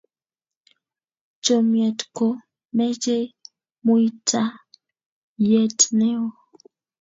chomyet ko mochei muitaiyet neo